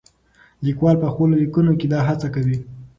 لیکوال په خپلو لیکنو کې دا هڅه کوي.